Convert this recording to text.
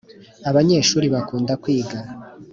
abanyeshuri bakunda kwiga